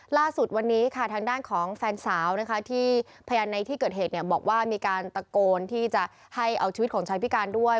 ล่าสุดวันนี้ค่ะทางด้านของแฟนสาวนะคะที่พยานในที่เกิดเหตุบอกว่ามีการตะโกนที่จะให้เอาชีวิตของชายพิการด้วย